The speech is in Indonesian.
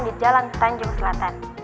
di jalan tanjung selatan